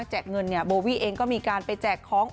แจกเงินบววี่เองก็มีการไปแจกของ